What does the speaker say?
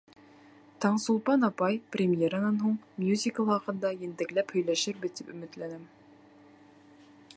— Таңсулпан апай, премьеранан һуң мюзикл хаҡында ентекләп һөйләшербеҙ, тип өмөтләнәм.